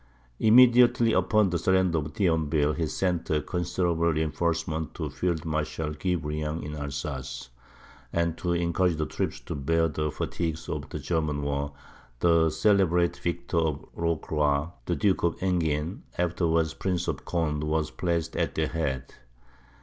Immediately upon the surrender of Thionville, he sent a considerable reinforcement to Field Marshal Guebriant in Alsace; and to encourage the troops to bear the fatigues of the German war, the celebrated victor of Rocroi, the Duke of Enghien, afterwards Prince of Conde, was placed at their head.